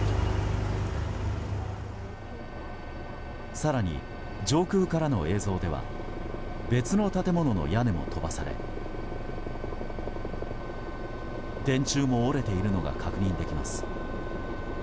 更に、上空からの映像では別の建物の屋根も飛ばされ電柱も折れているのが確認できます。